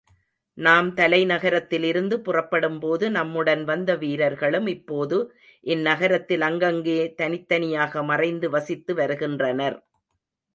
நாம் தலைநகரத்திலிருந்து புறப்படும்போது நம்முடன் வந்த வீரர்களும் இப்போது இந் நகரத்தில் அங்கங்கே தனித்தனியாக மறைந்து வசித்து வருகின்றனர்.